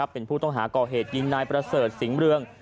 เป็นผู้ต้องหาก่อเหตุยิงนายประเสริฐสิงห์เรือง